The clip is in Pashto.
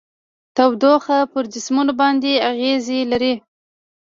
تودوخه پر جسمونو باندې اغیزې لري.